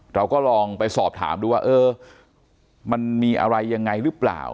เราก็ลองไปสอบถามดูว่าเออมันมีอะไรยังไงหรือเปล่า